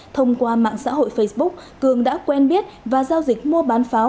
thông qua mạng xã hội facebook cường đã quen biết và giao dịch mua bán pháo